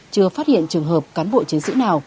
chưa phát hiện trường hợp cán bộ chiến sĩ nào